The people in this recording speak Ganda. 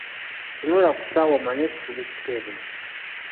Tunula ku ssaawa omanye nti tuli kikeerezi.